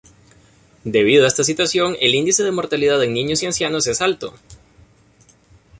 Debido a esta situación, el índice de mortalidad en niños y ancianos es alto.